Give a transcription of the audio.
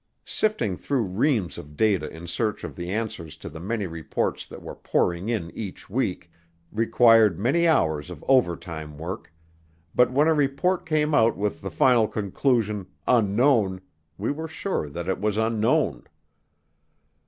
Sifting through reams of data in search of the answers to the many reports that were pouring in each week required many hours of overtime work, but when a report came out with the final conclusion, "Unknown," we were sure that it was unknown.